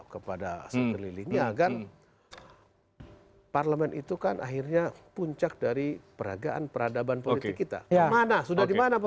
kepada sekelilingnya agar parlemen itu kan akhirnya puncak dari peragaan peradaban politik kita ya mana sudah dimana